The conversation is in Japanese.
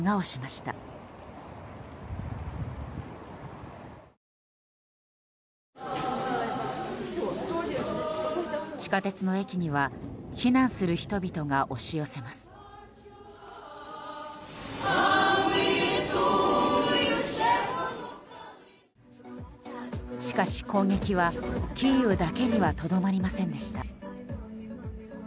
しかし攻撃は、キーウだけにはとどまりませんでした。